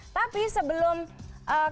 tapi sebelum kembali